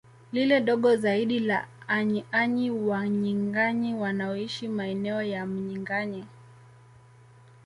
Lile dogo zaidi la AnyiÅanyi Wanyinganyi wanaoishi maeneo ya Mnyinganyi